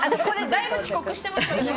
だいぶ遅刻してますよね？